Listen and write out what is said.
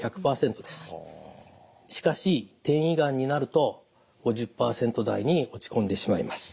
しかし転移がんになると５０％台に落ち込んでしまいます。